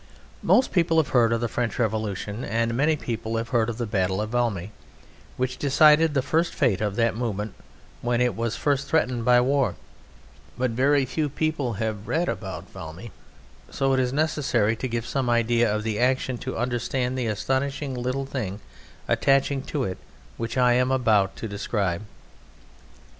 Most people have heard of the French Revolution, and many people have heard of the battle of Valmy, which decided the first fate of that movement, when it was first threatened by war. But very few people have read about Valmy, so it is necessary to give some idea of the action to understand the astonishing little thing attaching to it which I am about to describe.